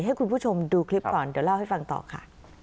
ให้คุณผู้ชมดูคลิปก่อนเดี๋ยวเล่าให้ฟังต่อค่ะ